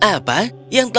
dia berpengalaman tuan